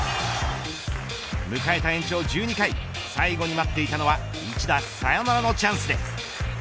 迎えた延長１２回最後に待っていたのは１打サヨナラのチャンスです。